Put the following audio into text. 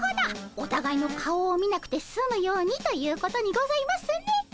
おたがいの顔を見なくてすむようにということにございますね。